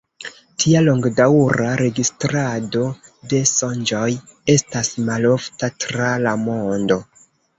Tia longdaŭra registrado de sonĝoj estas malofta tra la mondo.